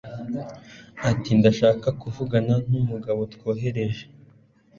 ati ndashaka kuvugana n'umugabo twohereje